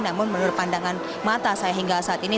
namun menurut pandangan mata saya hingga saat ini